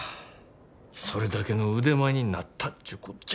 それだけの腕前になったちゅうこっちゃ。